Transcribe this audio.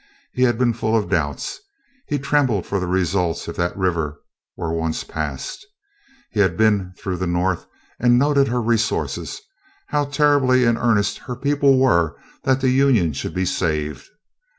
He had been full of doubts; he trembled for the results if that river were once passed. He had been through the North and noted her resources, how terribly in earnest her people were that the Union should be saved.